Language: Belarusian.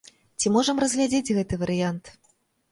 Ці можам разглядзець гэты варыянт.